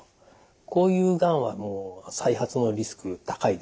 こういうがんは再発のリスク高いです。